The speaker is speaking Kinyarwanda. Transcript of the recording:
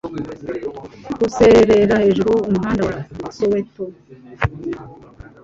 Kuzerera hejuru Umuhanda wa Soweto